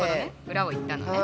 裏を言ったのね。